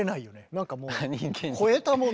なんかもう超えたもの。